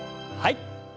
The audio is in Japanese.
はい。